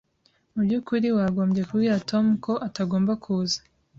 Mubyukuri wagombye kubwira Tom ko atagomba kuza.